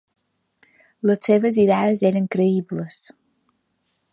Les seves idees eren creïbles.